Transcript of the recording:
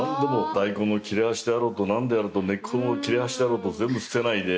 大根の切れ端であろうと何であろうと根っこの切れ端だろうと全部捨てないで。